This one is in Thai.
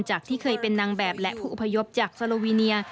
ที่เคยเป็นนางแบบและผู้อพยพจากโซโลวีเนีย